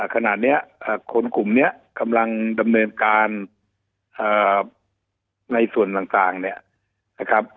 ขณะนี้คนกลุ่มนี้กำลังดำเนินการในส่วนต่างเนี่ยนะครับ